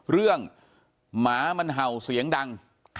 หมามันเห่าเสียงดัง